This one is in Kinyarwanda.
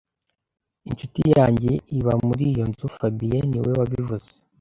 Inshuti yanjye iba muri iyo nzu fabien niwe wabivuze